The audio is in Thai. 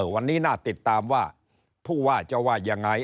วันนี้น่าติดตามว่าผู้ว่าจะว่ายังไง